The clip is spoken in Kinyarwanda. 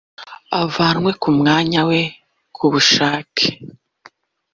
avanywe ku mwanya we ku bushake